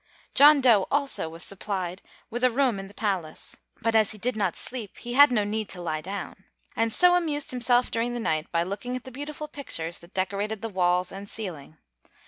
John Dough also was supplied with a room in the palace; but as he did not sleep he had no need to lie down, and so amused himself during the night by looking at the beautiful pictures that decorated the walls and ceiling.